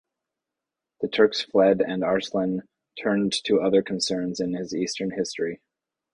The Turks fled and Arslan turned to other concerns in his eastern territory.